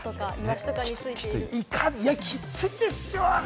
きついですよ、あれ。